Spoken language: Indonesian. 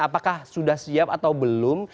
apakah sudah siap atau belum